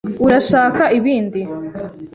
Urashaka ibindi?